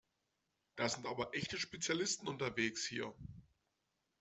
Da sind aber echte Spezialisten unterwegs hier!